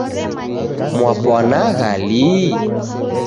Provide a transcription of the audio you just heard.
Mpwanagha lii?